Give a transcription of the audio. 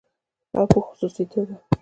او په خصوصي توګه